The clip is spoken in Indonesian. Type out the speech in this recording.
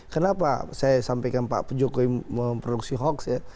kenapa saya sampaikan pak jokowi memproduksi hoax ya